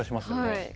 はい。